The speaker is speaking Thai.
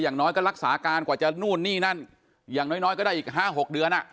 อย่างน้อยก็รักษาการกว่าจะนู่นนี่นั่นอย่างน้อยก็ได้อีก๕๖เดือน